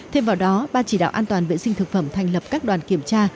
thêm vào đó ban chỉ đạo an toàn vệ sinh thực phẩm thành lập các đoàn kiểm tra